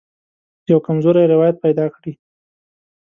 یوه کمزوری روایت پیدا کړي.